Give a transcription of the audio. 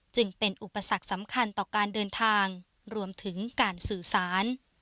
จึงเป็นอุปสรรคสำคัญต่อการเดินทางรวมถึงการสื่อสาร